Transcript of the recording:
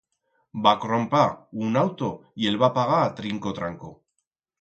Va crompar un auto y el va pagar trinco-tranco.